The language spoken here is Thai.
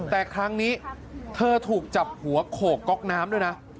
แต่ครั้งนี้เธอถูกจับหัวโขกก๊อกน้ำด้วยนะ